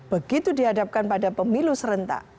begitu dihadapkan pada pemilu serentak